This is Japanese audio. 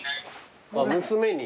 あっ娘に。